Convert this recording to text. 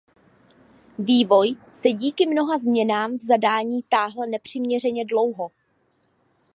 Vývoj se díky mnoha změnám v zadání táhl nepřiměřeně dlouho.